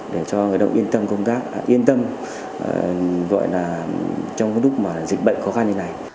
để cho người lao động yên tâm trong cái lúc mà dịch bệnh khó khăn như thế này